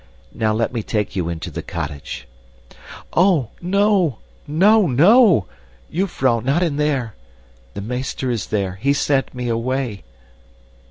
Now let me take you into the cottage." "Oh, no! no! no! jufvrouw, not in there! The meester is there. He sent me away!"